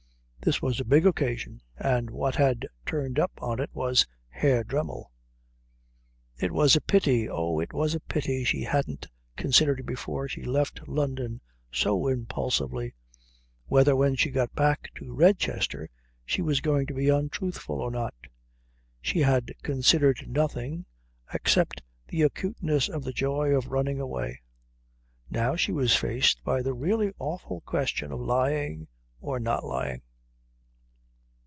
This was a big occasion, and what had turned up on it was Herr Dremmel. It was a pity oh, it was a pity she hadn't considered before she left London so impulsively whether when she got back to Redchester she was going to be untruthful or not. She had considered nothing, except the acuteness of the joy of running away. Now she was faced by the really awful question of lying or not lying.